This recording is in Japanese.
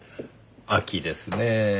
秋ですねぇ。